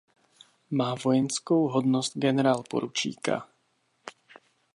Má vojenskou hodnost generálporučíka.